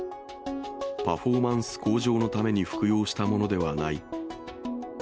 パフォーマンス向上のために服用したものではない。